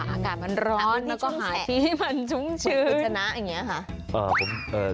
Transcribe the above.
อากาศมันร้อนแล้วก็มาชุมแสพรุ่งบุญชนะอย่างเนี่ย